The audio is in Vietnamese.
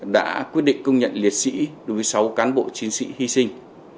đã quyết định công nhận liệt sĩ đối với sáu cán bộ chiến sĩ hy sinh